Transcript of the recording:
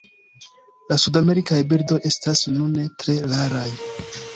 La sudamerikaj birdoj estas nune tre raraj.